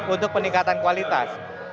untuk peningkatan kualitas